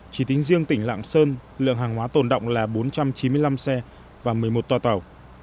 chỉ tính riêng tỉnh lạng sơn lượng hàng hóa tồn động là bốn trăm chín mươi năm xe và một mươi một toa tàu